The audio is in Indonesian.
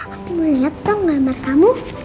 aku mau lihat dong nama kamu